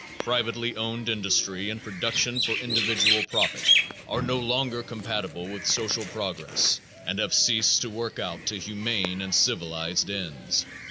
Privately owned industry and production for individual profit are no longer compatible with social progress and have ceased to work out to humane and civilized ends.